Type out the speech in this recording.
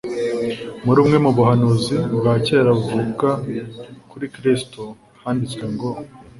Muri bumwe mu buhanuzi bwa kera buvuga kuri Kristo handitswe ngo